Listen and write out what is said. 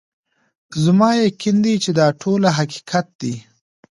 زما یقین دی چي دا ټوله حقیقت دی